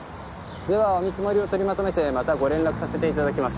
ではお見積もりを取りまとめてまたご連絡させていただきます。